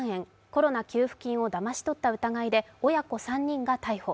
コロナ給付金をだまし取った疑いで親子３人が逮捕。